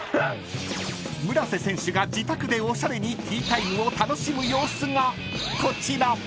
［村瀬選手が自宅でおしゃれにティータイムを楽しむ様子がこちら］